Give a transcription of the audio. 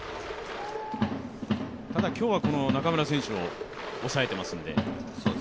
ただ今日は中村選手を抑えていますんで。